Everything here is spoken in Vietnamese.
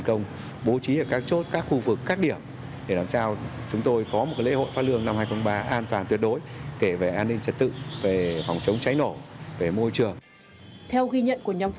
trong mỗi ngày thứ bảy đền đã thu hút lượng du khách tới tham dự đông hơn so với mọi năm